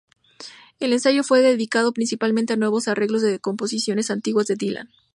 El ensayo fue dedicado principalmente a nuevos arreglos de composiciones antiguas de Dylan.